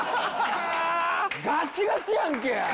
ガチガチやんけ！